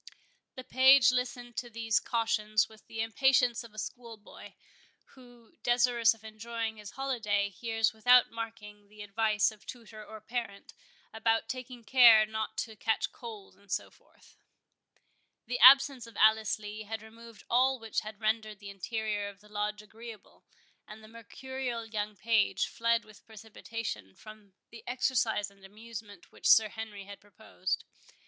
The page listened to these cautions with the impatience of a schoolboy, who, desirous of enjoying his holiday, hears without marking the advice of tutor or parent, about taking care not to catch cold, and so forth. The absence of Alice Lee had removed all which had rendered the interior of the Lodge agreeable, and the mercurial young page fled with precipitation from the exercise and amusement which Sir Henry had proposed.